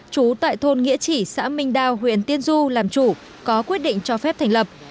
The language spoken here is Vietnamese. trú tại thôn nghĩa chỉ xã minh đào huyện tiên du làm chủ có quyết định cho phép thành lập